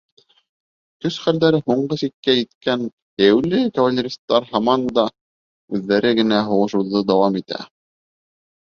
Көс-хәлдәре һуңғы сиккә еткән йәйәүле кавалеристар һаман үҙҙәре генә һуғышыуҙы дауам итә.